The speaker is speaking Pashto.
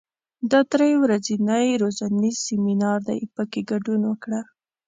دا درې ورځنی روزنیز سیمینار دی، په کې ګډون وکړه.